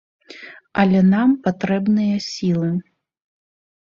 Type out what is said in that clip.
Але нам патрэбныя сілы.